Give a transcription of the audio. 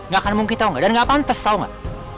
gak akan mungkin tau gak dan gak pantas tau gak